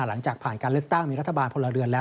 หลังจากผ่านการเลือกตั้งมีรัฐบาลพลเรือนแล้ว